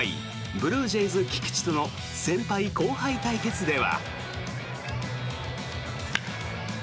ブルージェイズ、菊池との先輩後輩対決では。